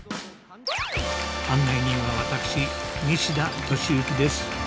案内人は私西田敏行です。